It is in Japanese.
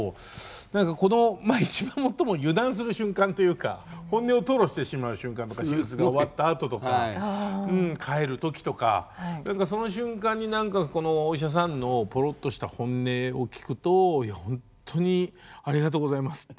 何かこの一番最も油断する瞬間というか本音を吐露してしまう瞬間とか手術が終わったあととか帰る時とかその瞬間に何かお医者さんのポロッとした本音を聞くといやほんとにありがとうございますっていう。